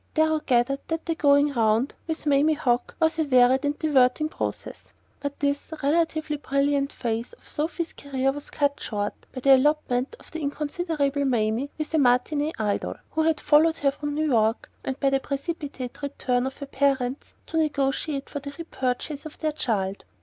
Darrow gathered that the "going round" with Mamie Hoke was a varied and diverting process; but this relatively brilliant phase of Sophy's career was cut short by the elopement of the inconsiderate Mamie with a "matinee idol" who had followed her from New York, and by the precipitate return of her parents to negotiate for the repurchase of their child.